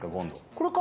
これか？